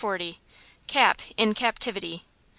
CAP IN CAPTIVITY.